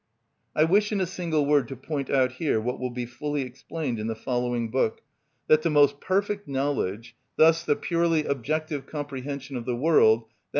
I wish in a single word to point out here what will be fully explained in the following book, that the most perfect knowledge, thus the purely objective comprehension of the world, _i.